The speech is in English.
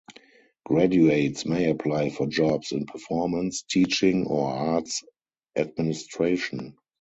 Graduates may apply for jobs in performance, teaching, or arts administration.